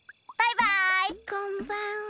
こんばんは。